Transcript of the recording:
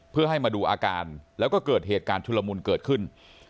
เพื่อให้มาดูอาการแล้วก็เกิดเหตุการณ์ชุลมุนเกิดขึ้น